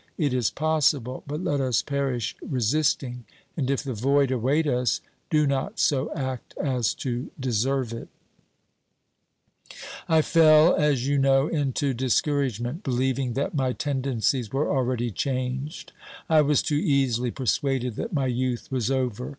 It is possible, but let us perish resisting, and if the void await us do not so act as to deserve it ! I fell, as you know, into discouragement, believing that my tendencies were already changed. I was too easily persuaded that my youth was over.